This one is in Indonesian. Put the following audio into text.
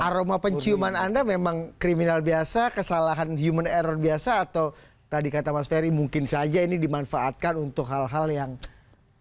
aroma penciuman anda memang kriminal biasa kesalahan human error biasa atau tadi kata mas ferry mungkin saja ini dimanfaatkan untuk hal hal yang berbeda